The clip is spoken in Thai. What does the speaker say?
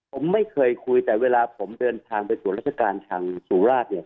ผมไม่เคยคุยแต่เวลาผมเดินทางไปตรวจราชการทางสุราชเนี่ย